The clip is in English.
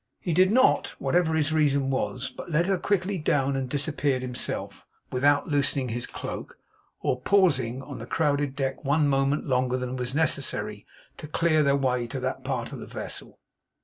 He did not, whatever his reason was, but led her quickly down and disappeared himself, without loosening his cloak, or pausing on the crowded deck one moment longer than was necessary to clear their way to that part of the vessel.